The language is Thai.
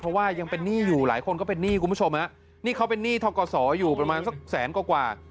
เพราะว่ายังเป็นหนี้อยู่หลายคนก็เป็นหนี้คุณผู้ชมฮะนี่เขาเป็นหนี้ทกศอยู่ประมาณสักแสนกว่ากว่า